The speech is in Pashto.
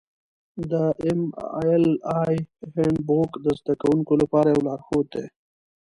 د ایم ایل اې هینډبوک د زده کوونکو لپاره یو لارښود دی.